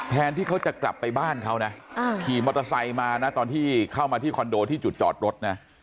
ที่เขาจะกลับไปบ้านเขานะขี่มอเตอร์ไซค์มานะตอนที่เข้ามาที่คอนโดที่จุดจอดรถนะ